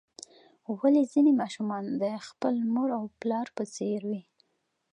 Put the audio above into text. ولې ځینې ماشومان د خپل مور او پلار په څیر وي